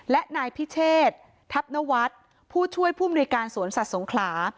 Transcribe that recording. และนายพิเชษทัพนวัฒน์ผู้ช่วยผู้มนุยการสวนสัตว์สงขลา